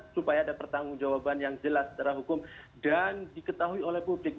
supaya ada pertanggung jawaban yang jelas secara hukum dan diketahui oleh publik